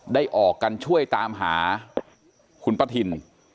ออกกันช่วยตามหาคุณป้าทิน